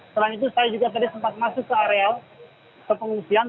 selain itu saya juga tadi sempat masuk ke areal ke pengungsian